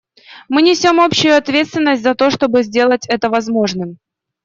Мы несем общую ответственность за то, чтобы сделать это возможным.